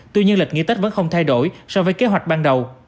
tuy nhiên lịch nghỉ tết vẫn không thay đổi so với kế hoạch ban đầu